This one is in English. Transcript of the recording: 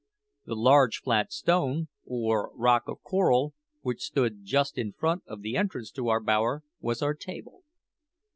The large flat stone, or rock of coral, which stood just in front of the entrance to our bower, was our table.